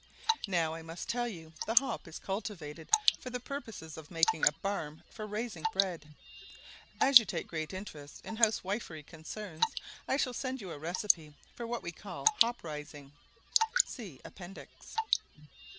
Now I must tell you the hop is cultivated for the purpose of making a barm for raising bread. As you take great interest in housewifery concerns, I shall send you a recipe for what we call hop rising*. [* See Appendix.